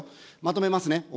まとめますね。